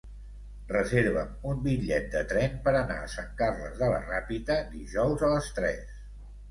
Reserva'm un bitllet de tren per anar a Sant Carles de la Ràpita dijous a les tres.